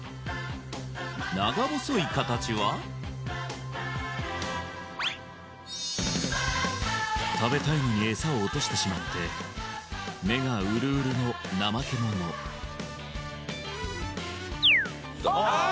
長細い形は食べたいのにエサを落としてしまって目がウルウルのナマケモノあっ！